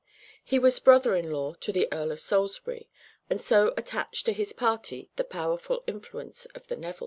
He was brother in law to the Earl of Salisbury, and so attached to his party the powerful influence of the Nevilles.